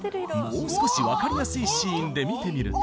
もう少しわかりやすいシーンで見てみると